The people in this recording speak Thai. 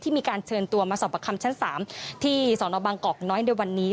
มีการเชิญตัวมาสอบประคำชั้น๓ที่สนบางกอกน้อยในวันนี้